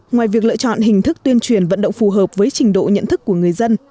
ngoài việc lựa chọn hình thức tuyên truyền vận động phù hợp với trình độ nhận thức của người dân